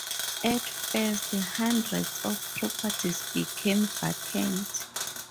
At first hundreds of properties became vacant.